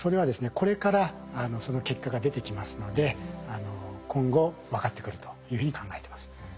これからその結果が出てきますので今後分かってくるというふうに考えてます。